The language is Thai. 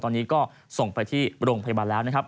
ตอนนี้ก็ส่งไปที่โรงพยาบาลแล้วนะครับ